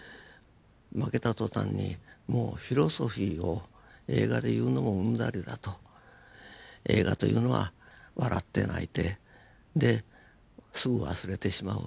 負けた途端にもうフィロソフィーを映画で言うのもうんざりだと映画というのは笑って泣いてですぐ忘れてしまう。